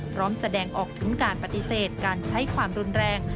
พร้อมแสดงออกถึงการปฏิเสธการใช้ความรุนแรง